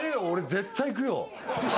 絶対行く。